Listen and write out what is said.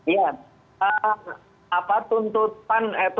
ya apa tuntutan sekitar itu